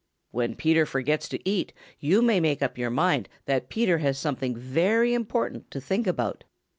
When Peter forgets to eat you may make up your mind that Peter has something very important to think about.